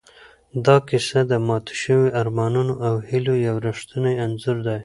دا کیسه د ماتو شوو ارمانونو او هیلو یو ریښتونی انځور دی.